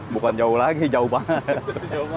bukan jauh lagi jauh banget